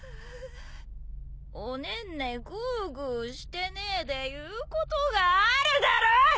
おねんねグーグーしてねえで言うことがあるだろ！